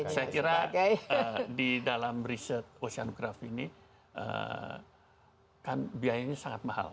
saya kira di dalam riset oceanograf ini kan biayanya sangat mahal